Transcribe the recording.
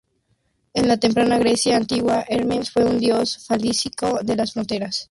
En la temprana Grecia Antigua, Hermes fue un dios fálico de las fronteras.